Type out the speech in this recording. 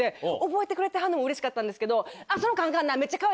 覚えてくれてはるのもうれしかったんですけど。